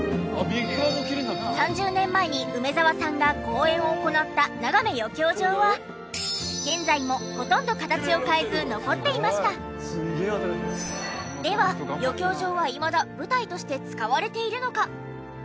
３０年前に梅沢さんが公演を行ったながめ余興場は現在もほとんどでは余興場はいまだ舞台として使われているのか？